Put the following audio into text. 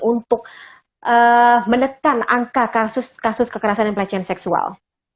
untuk mendekat angka kasus kasus kekerasan dan pelacan seksual